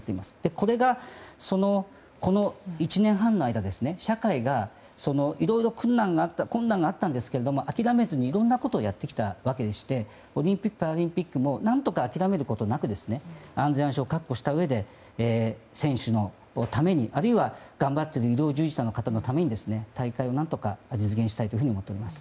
これがこの１年半の間、社会がいろいろ困難があったんですけど諦めずにいろんなことをやってきたわけでしてオリンピック・パラリンピックも何とか諦めることなく安全・安心を確保したうえで選手のためにあるいは頑張っている医療従事者のために何とか大会を実現したいと思っています。